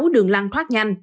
sáu đường lăng thoát nhanh